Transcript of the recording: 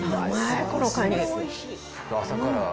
朝から。